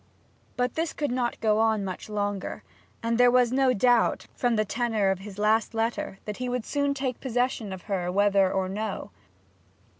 But this could not go on much longer, and there was no doubt, from the tenor of his last letter, that he would soon take possession of her whether or no.